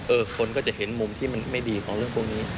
คนก็จะเห็นมุมที่มันไม่ดีของเรื่องพวกนี้